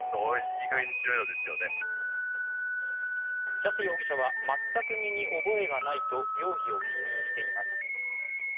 ジャセ容疑者は全く身に覚えがないと容疑を否認しています。